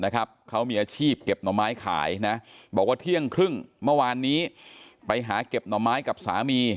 เขามีอาชีพเก็บหน่อไม้ขายนะบอกว่าเที่ยงครึ่งเมื่อวานนี้ไปหาเก็บหน่อไม้กับสามี